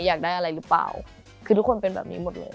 อยากได้อะไรหรือเปล่า